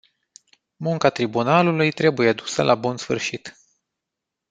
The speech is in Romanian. Munca tribunalului trebuie dusă la bun sfârșit.